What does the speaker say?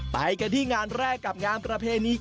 ไปกันที่งานแรกกับงานประเพณี